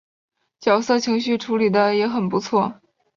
角色情绪处理的也很不错